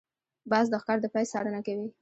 باز د ښکار د پای څارنه کوي